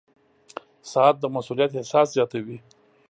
• ساعت د مسؤولیت احساس زیاتوي.